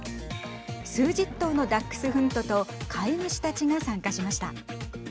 数十頭のダックスフントと飼い主たちが参加しました。